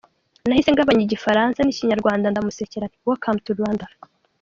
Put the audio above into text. Nahise ngabanya Igifaransa n’Ikinyarwanda ndamusekera nti “Welcome to Rwanda.